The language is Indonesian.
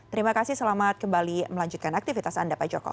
terima kasih selamat kembali melanjutkan aktivitas anda pak joko